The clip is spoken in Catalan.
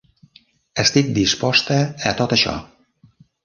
Estic disposta a tot això.